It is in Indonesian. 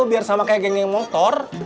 biar sama kayak geng geng motor